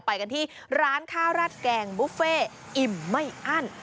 ไปกันที่ร้านข้าวราดแกงบุฟเฟ่อิ่มไม่อั้น